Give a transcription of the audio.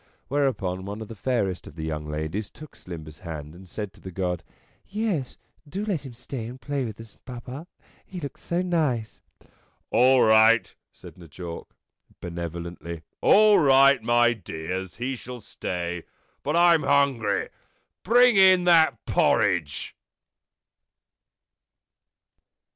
Whereupon one of the fairest of the young ladies took Slimber's hand and said to the God: "Yes, do let him stay and play with us, Papa ; he looks so nice." " All right/' said N' Jawk, benevolently. " All right, my dears; he shall stay. But I'm hungry. Bring in that porridge."